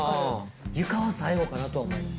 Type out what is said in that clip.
床は最後かなとは思います。